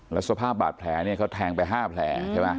แล้วสภาพบาดแผลเขาแทงไปห้าแผล